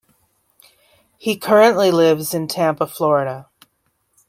He currently lives in Tampa, Florida.